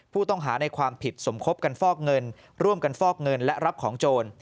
ผู้ต้องหาในความผิดสมคบกันฟอกเงินร่วมกันฟอกเงินและรับของโจร